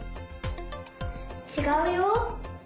ちがうよ。